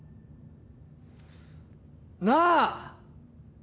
なあ！